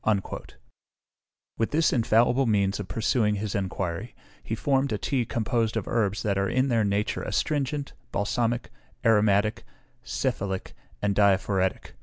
" With this infallible means of pursuing his enquiry, he formed a tea composed of herbs that are in their nature astringent, balsamic, aromatic, cephalic, and diaphoretic.